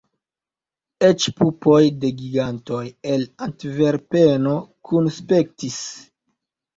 Eĉ pupoj de gigantoj el Antverpeno kunspektis.